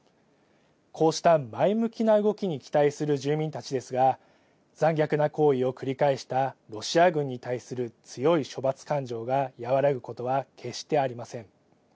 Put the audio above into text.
こうした前向きな動きに期待する住民たちですが、残虐な行為を繰り返したロシア軍に対する強い処罰感情が和らぐことは決してありません。